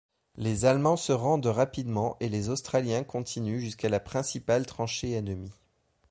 Les Allemands se rendent rapidement et les Australiens continuent jusqu'à la principale tranchée ennemie.